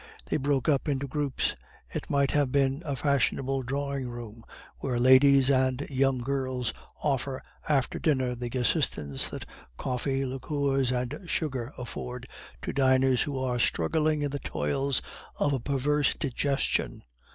They broke up into groups. It might have been a fashionable drawing room where ladies and young girls offer after dinner the assistance that coffee, liqueurs, and sugar afford to diners who are struggling in the toils of a perverse digestion.